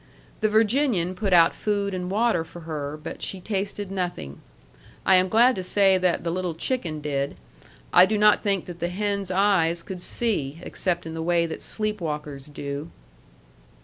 The Virginian put out food and water for her, but she tasted nothing. I am glad to say that the little chicken did. I do not think that the hen's eyes could see, except in the way that sleep walkers' do.